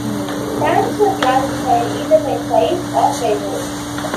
Tanks were classified either by size or by role.